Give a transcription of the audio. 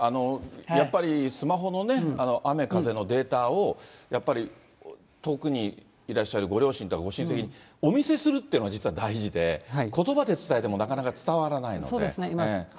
やっぱり、スマホの雨風のデータをやっぱり遠くにいらっしゃるご両親とかご親戚にお見せするというのが実は大事で、ことばで伝えてもなかなそうですね。